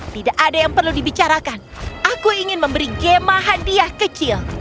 tidak ada yang perlu dibicarakan aku ingin memberi gemah hadiah kecil